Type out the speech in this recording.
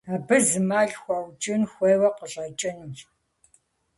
Абы зы мэл хуэукӀын хуейуэ къыщӀэкӀынущ.